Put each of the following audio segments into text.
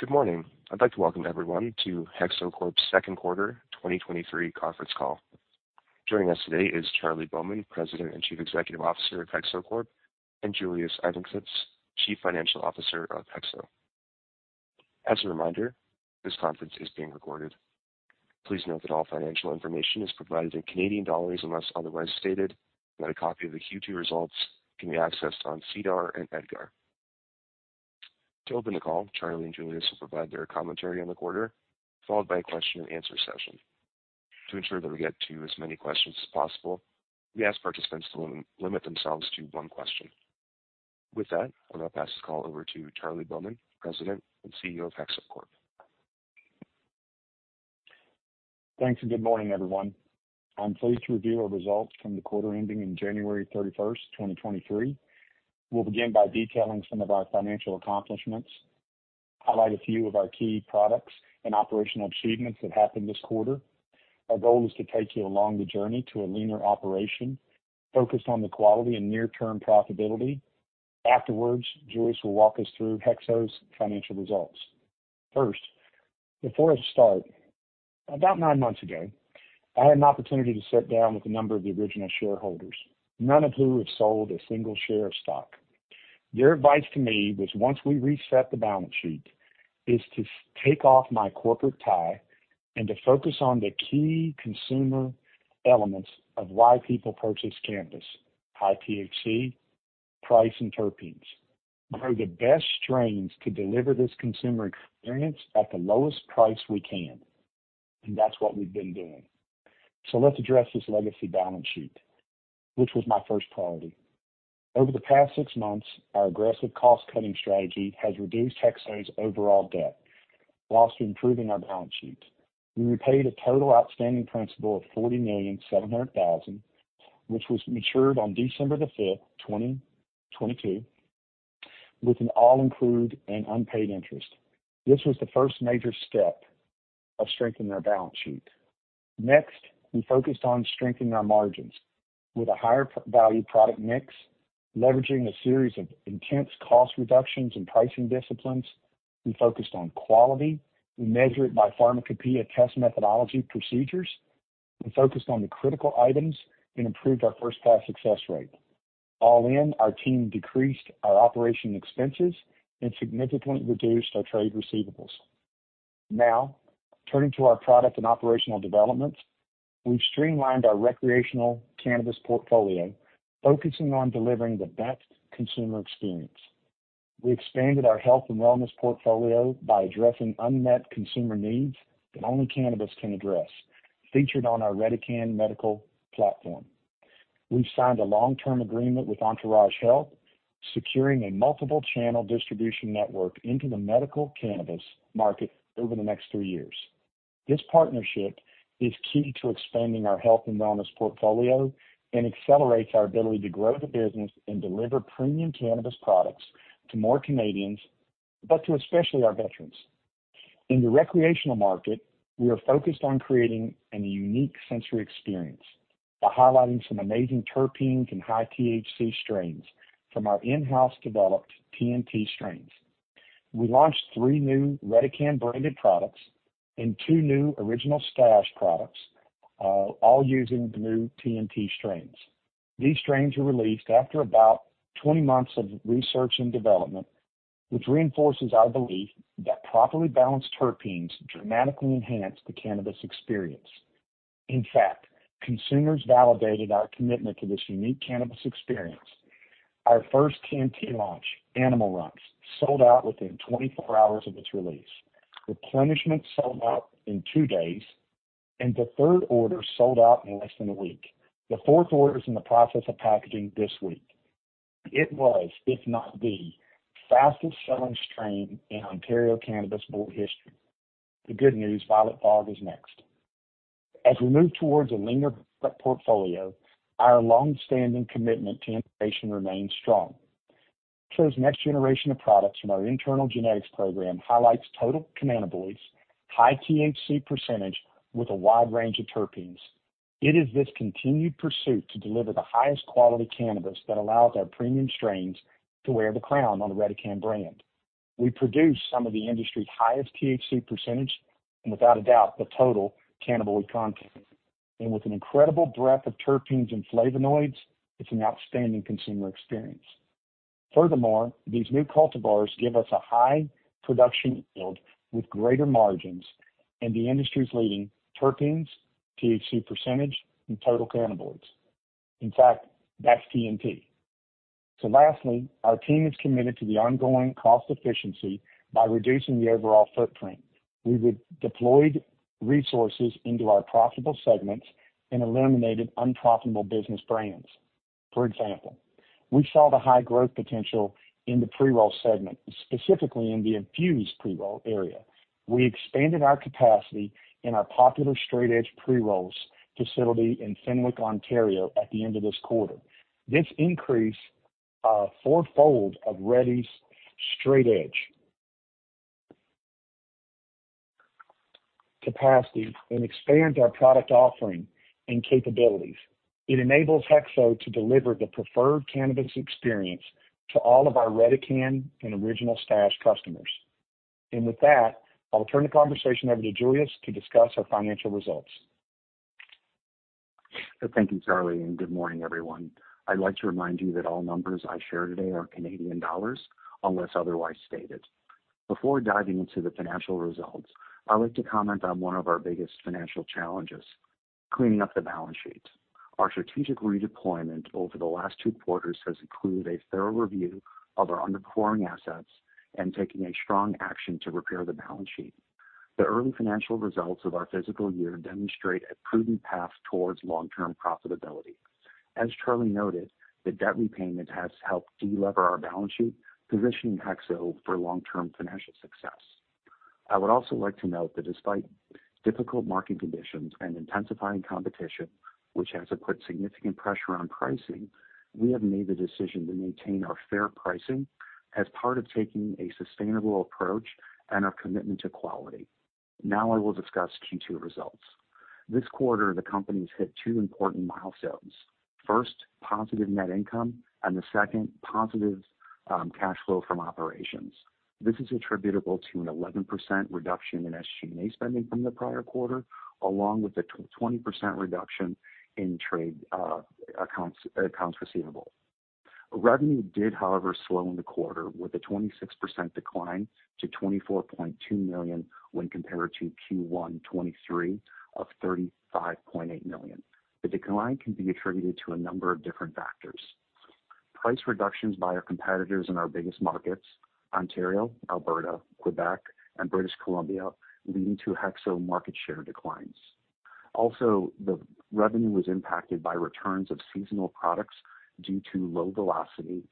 Good morning. I'd like to welcome everyone to HEXO Corp's second quarter 2023 conference call. Joining us today is Charlie Bowman, President and Chief Executive Officer of HEXO Corp, and Julius Ivancsits, Chief Financial Officer of HEXO. As a reminder, this conference is being recorded. Please note that all financial information is provided in Canadian dollars unless otherwise stated, and that a copy of the Q2 results can be accessed on SEDAR and EDGAR. To open the call, Charlie and Julius will provide their commentary on the quarter, followed by a question and answer session. To ensure that we get to as many questions as possible, we ask participants to limit themselves to 1 question. With that, I'm gonna pass this call over to Charlie Bowman, President and CEO of HEXO Corp. Thanks, good morning, everyone. I'm pleased to review our results from the quarter ending in January 31st, 2023. We'll begin by detailing some of our financial accomplishments, highlight a few of our key products and operational achievements that happened this quarter. Our goal is to take you along the journey to a leaner operation focused on the quality and near-term profitability. Afterwards, Julius will walk us through HEXO's financial results. 1st, before I start, about 9 months ago, I had an opportunity to sit down with a number of the original shareholders, none of whom have sold a single share of stock. Their advice to me was once we reset the balance sheet, is to take off my corporate tie and to focus on the key consumer elements of why people purchase cannabis, high THC, price, and terpenes. We grow the best strains to deliver this consumer experience at the lowest price we can, that's what we've been doing. Let's address this legacy balance sheet, which was my first priority. Over the past 6 months, our aggressive cost-cutting strategy has reduced HEXO's overall debt while improving our balance sheet. We repaid a total outstanding principal of 40.7 million, which was matured on December 5, 2022, with an all-include and unpaid interest. This was the 1st major step of strengthening our balance sheet. Next, we focused on strengthening our margins with a higher pr-value product mix, leveraging a series of intense cost reductions and pricing disciplines. We focused on quality. We measure it by pharmacopeia test methodology procedures. We focused on the critical items and improved our 1st-pass success rate. All in, our team decreased our operating expenses and significantly reduced our trade receivables. Turning to our product and operational developments, we've streamlined our recreational cannabis portfolio, focusing on delivering the best consumer experience. We expanded our health and wellness portfolio by addressing unmet consumer needs that only cannabis can address, featured on our Redecan medical platform. We've signed a long-term agreement with Entourage Health, securing a multiple-channel distribution network into the medical cannabis market over the next 3 years. This partnership is key to expanding our health and wellness portfolio and accelerates our ability to grow the business and deliver premium cannabis products to more Canadians, but to especially our veterans. In the recreational market, we are focused on creating a unique sensory experience by highlighting some amazing terpenes and high-THC strains from our in-house developed TnT strains. We launched 3 new Redecan-branded products and 2 new Original Stash products, all using the new TnT strains. These strains were released after about 20 months of research and development, which reinforces our belief that properly balanced terpenes dramatically enhance the cannabis experience. In fact, consumers validated our commitment to this unique cannabis experience. Our 1st TnT launch, Animal Rntz, sold out within 24 hours of its release. Replenishment sold out in 2 days, and the 3rd order sold out in less than a week. The 4th order is in the process of packaging this week. It was, if not the fastest-selling strain in Ontario Cannabis Store history. The good news, Violet Fog is next. As we move towards a leaner portfolio, our long-standing commitment to innovation remains strong. HEXO's next generation of products from our internal genetics program highlights total cannabinoids, high THC % with a wide range of terpenes. It is this continued pursuit to deliver the highest quality cannabis that allows our premium strains to wear the crown on the Redecan brand. We produce some of the industry's highest THC % and without a doubt, the total cannabinoid content. With an incredible breadth of terpenes and flavonoids, it's an outstanding consumer experience. Furthermore, these new cultivars give us a high production yield with greater margins and the industry's leading terpenes, THC %, and total cannabinoids. In fact, that's TnT. Lastly, our team is committed to the ongoing cost efficiency by reducing the overall footprint. We de-deployed resources into our profitable segments and eliminated unprofitable business brands. For example, we saw the high growth potential in the pre-roll segment, specifically in the infused pre-roll area. We expanded our capacity in our popular straight edge pre-rolls facility in Fenwick, Ontario, at the end of this quarter. This increased 4-fold of Redees straight edge capacity and expands our product offering and capabilities. It enables HEXO to deliver the preferred cannabis experience to all of our Redecan and Original Stash customers. With that, I'll turn the conversation over to Julius to discuss our financial results. Thank you, Charlie, and good morning, everyone. I'd like to remind you that all numbers I share today are Canadian dollars unless otherwise stated. Before diving into the financial results, I would like to comment on one of our biggest financial challenges, cleaning up the balance sheet. Our strategic redeployment over the last two quarters has included a thorough review of our underperforming assets and taking a strong action to repair the balance sheet. The early financial results of our fiscal year demonstrate a prudent path towards long-term profitability. As Charlie noted, the debt repayment has helped deleverage our balance sheet, positioning HEXO for long-term financial success. I would also like to note that despite difficult market conditions and intensifying competition, which has put significant pressure on pricing, we have made the decision to maintain our fair pricing as part of taking a sustainable approach and our commitment to quality. Now I will discuss Q2 results. This quarter, the company's hit 2 important milestones. 1st, positive net income, and the 2nd, positive cash flow from operations. This is attributable to an 11% reduction in SG&A spending from the prior quarter, along with a 20% reduction in trade accounts receivable. Revenue did, however, slow in the quarter with a 26% decline to 24.2 million when compared to Q1 2023 of 35.8 million. The decline can be attributed to a number of different factors. Price reductions by our competitors in our biggest markets, Ontario, Alberta, Quebec, and British Columbia, leading to HEXO market share declines. Also, the revenue was impacted by returns of seasonal products due to low velocity,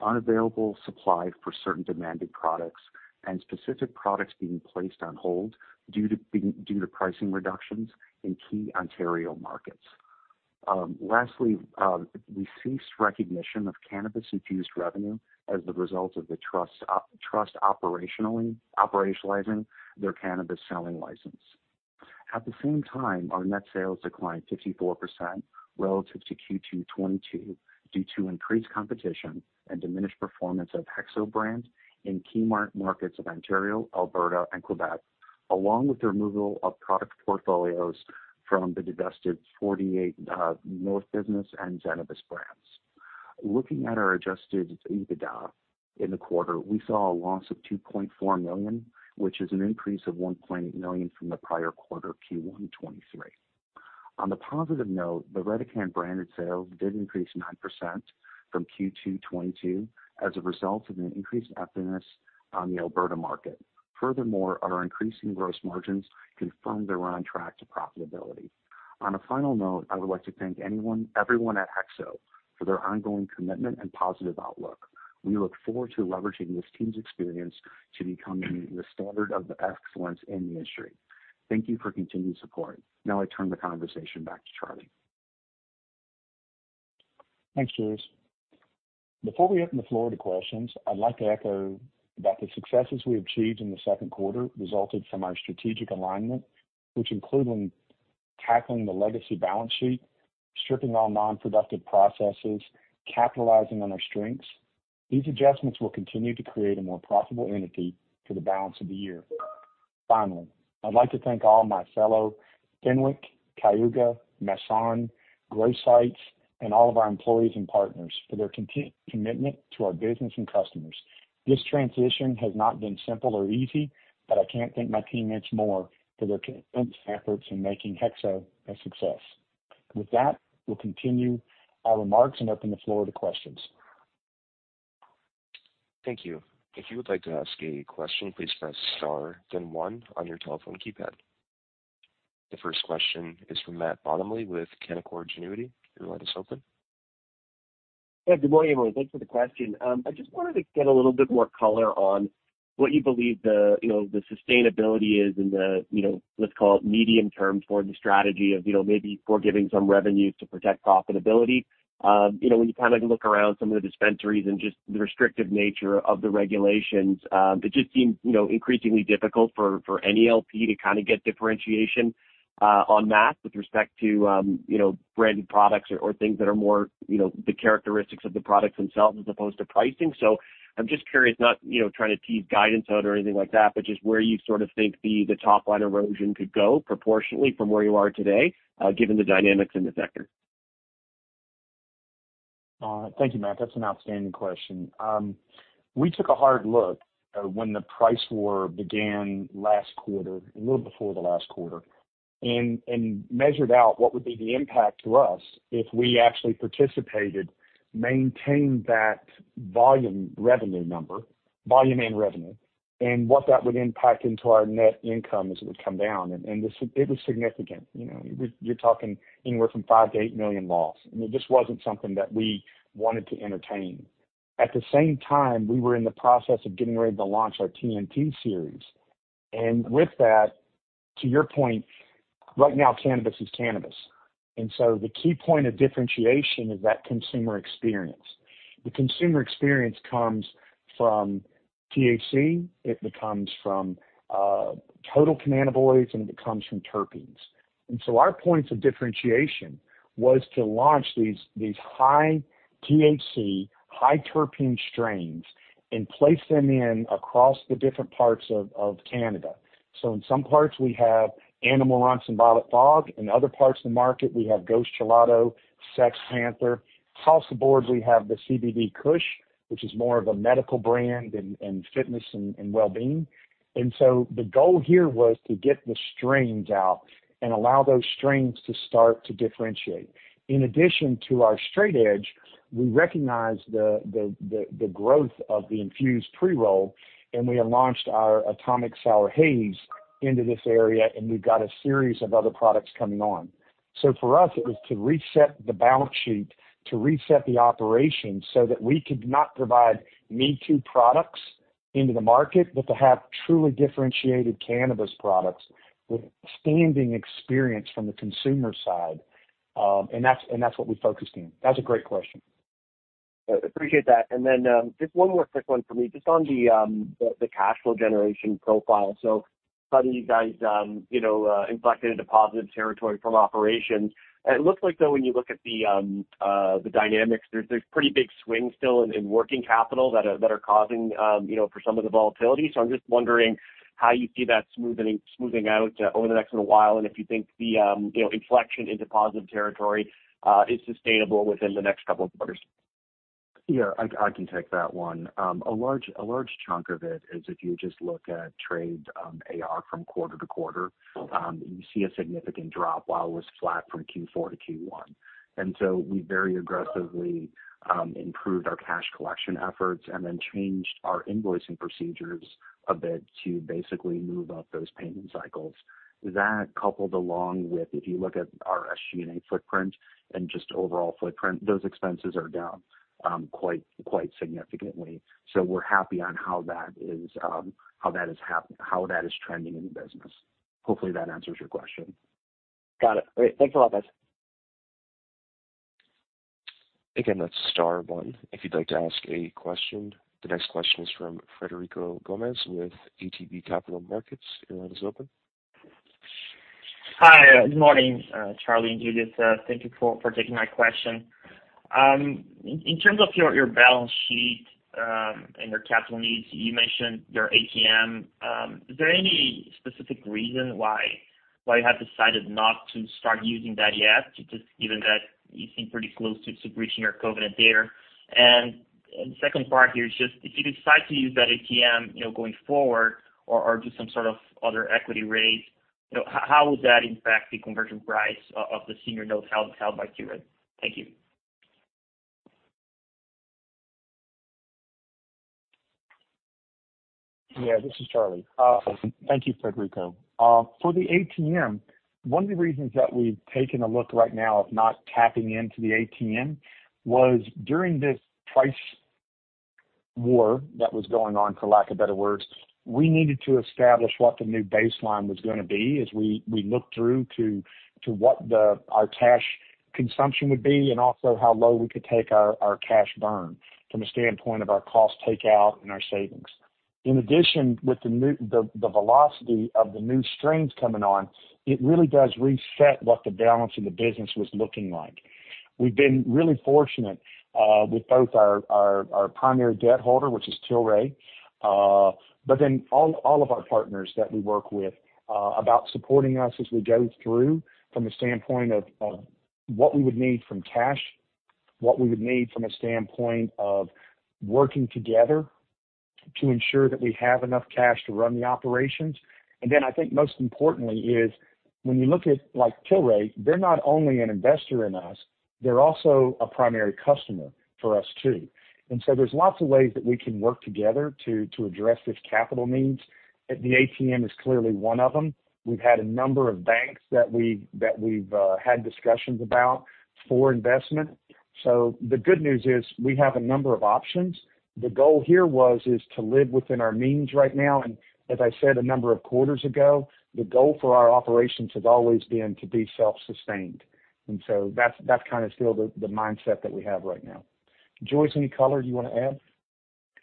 unavailable supply for certain demanded products, and specific products being placed on hold due to pricing reductions in key Ontario markets. Lastly, we ceased recognition of cannabis-infused revenue as the result of the Truss operationalizing their cannabis selling license. At the same time, our net sales declined 54% relative to Q2 2022 due to increased competition and diminished performance of HEXO brand in key markets of Ontario, Alberta, and Quebec, along with the removal of product portfolios from the divested 48North business and Zenabis brands. Looking at our Adjusted EBITDA in the quarter, we saw a loss of 2.4 million, which is an increase of 1 million from the prior quarter, Q1 2023. On the positive note, the Redecan branded sales did increase 9% from Q2 2022 as a result of an increased effectiveness on the Alberta market. Our increasing gross margins confirmed that we're on track to profitability. On a final note, I would like to thank everyone at HEXO for their ongoing commitment and positive outlook. We look forward to leveraging this team's experience to becoming the standard of excellence in the industry. Thank you for your continued support. I turn the conversation back to Charlie. Thanks, Julius. Before we open the floor to questions, I'd like to echo that the successes we achieved in the second quarter resulted from our strategic alignment, which include when tackling the legacy balance sheet, stripping all non-productive processes, capitalizing on our strengths. These adjustments will continue to create a more profitable entity for the balance of the year. Finally, I'd like to thank all my fellow Fenwick, Cayuga, Masson, Grow Sites, and all of our employees and partners for their commitment to our business and customers. This transition has not been simple or easy, but I can't thank my teammates more for their continuous efforts in making HEXO a success. With that, we'll continue our remarks and open the floor to questions. Thank you. If you would like to ask a question, please press star then one on your telephone keypad. The 1st question is from Matt Bottomley with Canaccord Genuity. Your line is open. Yeah, good morning, everyone. Thanks for the question. I just wanted to get a little bit more color on what you believe the, you know, the sustainability is in the, you know, let's call it medium-term for the strategy of, you know, maybe forgiving some revenues to protect profitability. When you kinda look around some of the dispensaries and just the restrictive nature of the regulations, it just seems, you know, increasingly difficult for any LP to kinda get differentiation on that with respect to, you know, branded products or things that are more, you know, the characteristics of the products themselves as opposed to pricing. I'm just curious, not, you know, trying to tease guidance out or anything like that, but just where you sort of think the top-line erosion could go proportionately from where you are today, given the dynamics in the sector. Thank you, Matt. That's an outstanding question. We took a hard look at when the price war began last quarter, a little before the last quarter, measured out what would be the impact to us if we actually participated, maintained that volume revenue number, volume and revenue, and what that would impact into our net income as it would come down. It was significant. You know, you're talking anywhere from 5 million-8 million loss. I mean, this wasn't something that we wanted to entertain. At the same time, we were in the process of getting ready to launch our TnT series. With that, to your point. Right now, cannabis is cannabis. The key point of differentiation is that consumer experience. The consumer experience comes from THC, it comes from total cannabinoids, and it comes from terpenes. Our points of differentiation was to launch these high THC, high terpene strains and place them in across the different parts of Canada. In some parts we have Animal Mints and Violet Fog. In other parts of the market, we have Ghost Gelato, Sex Panther. Across the board, we have the CBD Kush, which is more of a medical brand and fitness and well-being. The goal here was to get the strains out and allow those strains to start to differentiate. In addition to our straight edge, we recognize the growth of the infused pre-roll, and we have launched our Atomik Sour Haze into this area, and we've got a series of other products coming on. For us, it was to reset the balance sheet, to reset the operations so that we could not provide me-too products into the market, but to have truly differentiated cannabis products with standing experience from the consumer side. And that's what we focused in. That's a great question. Appreciate that. Just one more quick one for me, just on the cash flow generation profile. Suddenly you guys, you know, inflected into positive territory from operations. It looks like, though, when you look at the dynamics, there's pretty big swings still in working capital that are causing, you know, for some of the volatility. I'm just wondering how you see that smoothing out over the next little while, and if you think the, you know, inflection into positive territory is sustainable within the next couple of quarters. Yeah, I can take that one. A large chunk of it is if you just look at trade AR from quarter to quarter, you see a significant drop while it was flat from Q4 - Q1. We very aggressively improved our cash collection efforts and then changed our invoicing procedures a bit to basically move up those payment cycles. That coupled along with, if you look at our SG&A footprint and just overall footprint, those expenses are down, quite significantly. We're happy on how that is, how that is trending in the business. Hopefully that answers your question. Got it. Great. Thanks a lot, guys. Again, that's star one if you'd like to ask a question. The next question is from Frederico Gomes with ATB Capital Markets. Your line is open. Hi. Good morning, Charlie and Julius. Thank you for taking my question. In terms of your balance sheet and your capital needs, you mentioned your ATM. Is there any specific reason why you have decided not to start using that yet, just given that you seem pretty close to breaching your covenant there? 2nd part here is just if you decide to use that ATM, you know, going forward or do some sort of other equity raise, you know, how would that impact the conversion price of the senior notes held by Tilray? Thank you. Yeah, this is Charlie. Thank you, Frederico. For the ATM, one of the reasons that we've taken a look right now of not tapping into the ATM was during this price war that was going on, for lack of better words, we needed to establish what the new baseline was gonna be as we looked through to what our cash consumption would be and also how low we could take our cash burn from a standpoint of our cost takeout and our savings. In addition, with the new velocity of the new strains coming on, it really does reset what the balance in the business was looking like. We've been really fortunate with both our primary debt holder, which is Tilray, all of our partners that we work with about supporting us as we go through from the standpoint of what we would need from cash, what we would need from a standpoint of working together to ensure that we have enough cash to run the operations. I think most importantly is when you look at, like Tilray, they're not only an investor in us, they're also a primary customer for us too. There's lots of ways that we can work together to address this capital needs. The ATM is clearly one of them. We've had a number of banks that we've had discussions about for investment. The good news is we have a number of options. The goal here is to live within our means right now. As I said a number of quarters ago, the goal for our operations has always been to be self-sustained. That's kind of still the mindset that we have right now. Julius, any color you wanna add?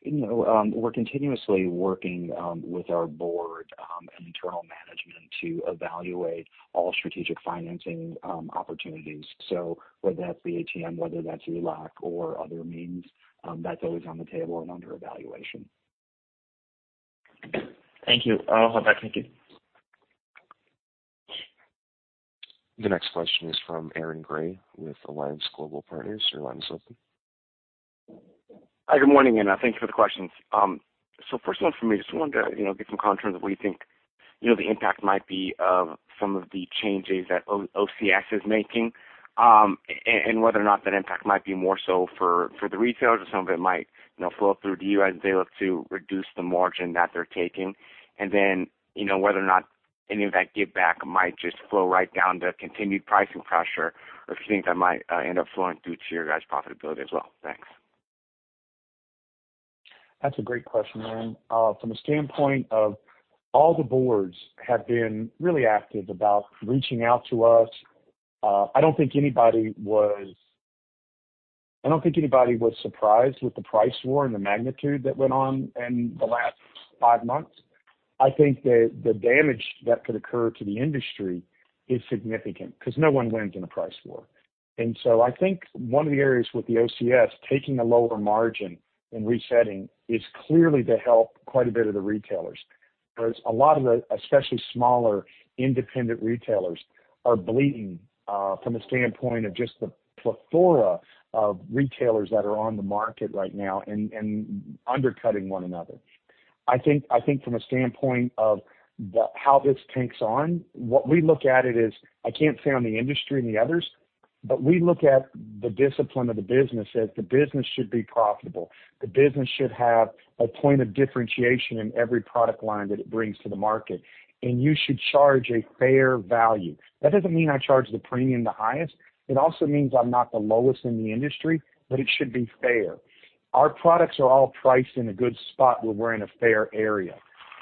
You know, we're continuously working with our board, and internal management to evaluate all strategic financing opportunities. Whether that's the ATM, whether that's ELOC or other means, that's always on the table and under evaluation. Thank you. I'll hop back. Thank you. The next question is from Aaron Gray with Alliance Global Partners. Your line is open. Hi, good morning, and thank you for the questions. 1st one for me, just wanted to, you know, get some context of what you think, you know, the impact might be of some of the changes that OCS is making, and whether or not that impact might be more so for the retailers or some of it might, you know, flow through to you as they look to reduce the margin that they're taking. You know, whether or not any of that give back might just flow right down to continued pricing pressure, or if you think that might end up flowing through to your guys' profitability as well. Thanks. That's a great question, Aaron. From a standpoint of all the boards have been really active about reaching out to us. I don't think anybody was surprised with the price war and the magnitude that went on in the last 5 months. I think that the damage that could occur to the industry is significant because no one wins in a price war. I think one of the areas with the OCS taking a lower margin and resetting is clearly to help quite a bit of the retailers. Whereas a lot of the, especially smaller, independent retailers are bleeding, from a standpoint of just the plethora of retailers that are on the market right now and undercutting one another. I think from a standpoint of how this takes on, what we look at it is, I can't say on the industry and the others, but we look at the discipline of the business as the business should be profitable. The business should have a point of differentiation in every product line that it brings to the market, and you should charge a fair value. That doesn't mean I charge the premium, the highest. It also means I'm not the lowest in the industry, but it should be fair. Our products are all priced in a good spot where we're in a fair area,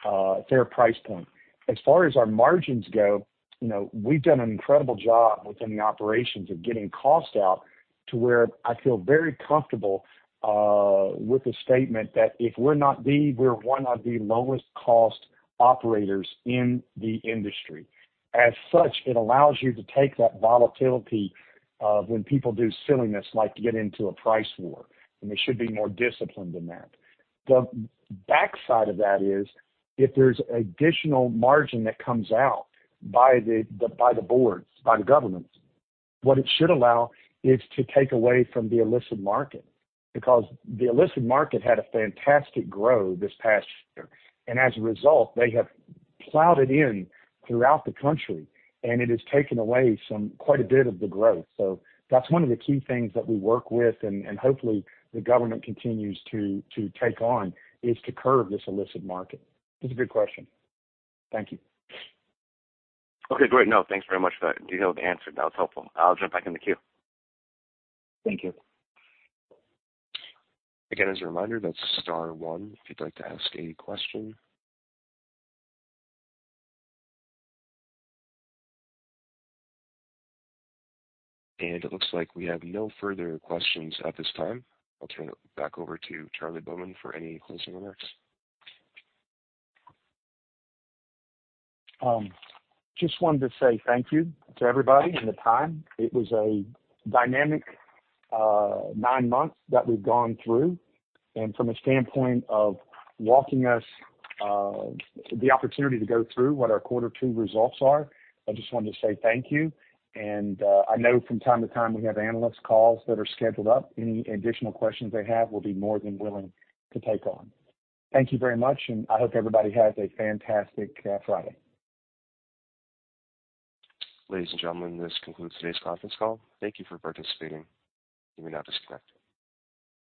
a fair price point. As far as our margins go, you know, we've done an incredible job within the operations of getting costs out to where I feel very comfortable, with the statement that we're one of the lowest cost operators in the industry. As such, it allows you to take that volatility of when people do silliness, like get into a price war, and they should be more disciplined than that. The backside of that is if there's additional margin that comes out by the boards, by the governments, what it should allow is to take away from the illicit market. The illicit market had a fantastic grow this past year, and as a result, they have plowed it in throughout the country, and it has taken away quite a bit of the growth. That's one of the key things that we work with and hopefully, the government continues to take on, is to curb this illicit market. It's a good question. Thank you. Okay, great. No, thanks very much for that detailed answer. That was helpful. I'll jump back in the queue. Thank you. As a reminder, that's star one if you'd like to ask any question. It looks like we have no further questions at this time. I'll turn it back over to Charlie Bowman for any closing remarks. Just wanted to say thank you to everybody and the time. It was a dynamic 9 months that we've gone through. From a standpoint of walking us the opportunity to go through what our quarter 2 results are, I just wanted to say thank you. I know from time to time, we have analyst calls that are scheduled up. Any additional questions they have, we'll be more than willing to take on. Thank you very much, and I hope everybody has a fantastic Friday. Ladies and gentlemen, this concludes today's conference call. Thank you for participating. You may now disconnect.